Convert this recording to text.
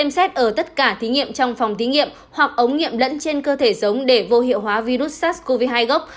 xem xét ở tất cả thí nghiệm trong phòng thí nghiệm hoặc ống nghiệm lẫn trên cơ thể giống để vô hiệu hóa virus sars cov hai gốc